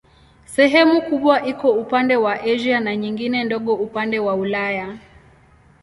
Sehemu kubwa iko upande wa Asia na nyingine ndogo upande wa Ulaya.